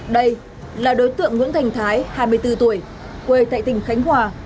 đây là đối tượng nguyễn thành thái hai mươi bốn tuổi quê tại tỉnh khánh hòa